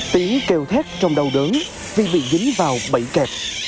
tiếng kèo thét trong đầu đớn vì bị dính vào bẫy kẹp